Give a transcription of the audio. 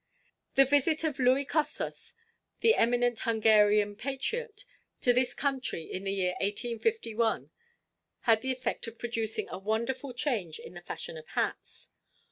The visit of Louis Kossuth, the eminent Hungarian patriot, to this country in the year 1851, had the effect of producing a wonderful change in the fashion of hats.